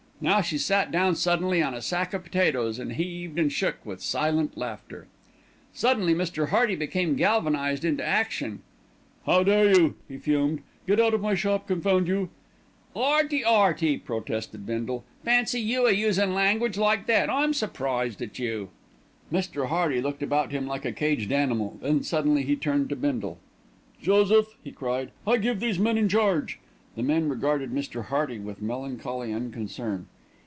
Now she sat down suddenly on a sack of potatoes and heaved and shook with silent laughter. Suddenly Mr. Hearty became galvanised into action. "How how dare you!" he fumed. "Get out of my shop, confound you!" "'Earty, 'Earty!" protested Bindle, "fancy you a usin' language like that. I'm surprised at you." Mr. Hearty looked about him like a caged animal, then suddenly he turned to Bindle. "Joseph," he cried, "I give these men in charge." The men regarded Mr. Hearty with melancholy unconcern.